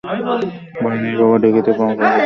ভয় নেই বাবা, ঢেঁকিতে পা পড়েছে।